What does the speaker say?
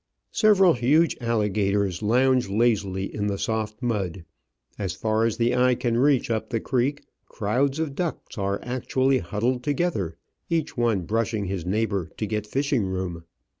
Several huge alligators lounge lazily in the soft mud. As far as the eye can reach up the creek, crowds of ducks are actually huddled together, each one brushing his neighbour to get fishing room.